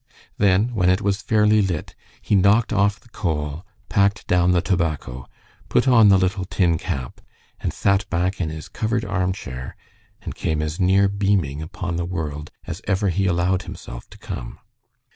Then, when it was fairly lit, he knocked off the coal, packed down the tobacco, put on the little tin cap, and sat back in his covered arm chair, and came as near beaming upon the world as ever he allowed himself to come.